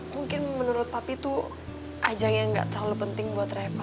mungkin menurut tapi itu ajang yang gak terlalu penting buat revo